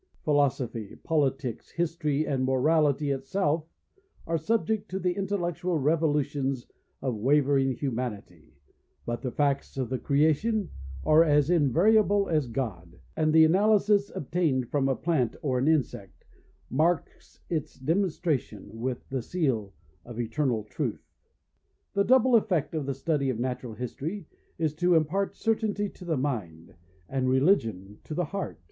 Philosophy, politics, history, and morality itself, are subject to the intellectual revolutions of wavering humanity ; but the facts of the Creation are as invariable as God, and the analysis ob tained from a pi int or an insect, marks its demonstration with the seal of eternal truth. The double effect of the study of Natural History is to impart certainty to the mind, and religion to the heart.